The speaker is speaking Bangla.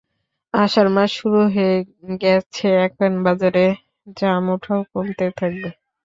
আষাঢ় মাস শুরু হয়ে গেছে, এখন বাজারে জাম ওঠাও কমতে থাকবে।